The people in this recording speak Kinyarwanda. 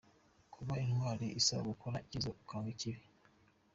Kuba intwari bisaba gukora icyiza ukanga ikibi.